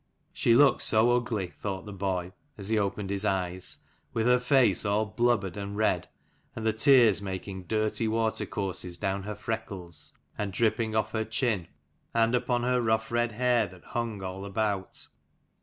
She looked so ugly, thought the boy, as he opened his eyes, with her face all blubbered and red, and the tears making dirty water courses down her freckles, and dripping off her chin, and upon her rough red hair that hung all about.